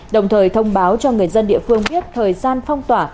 đồng thời thông báo cho người dân địa phương biết thời gian phong tỏa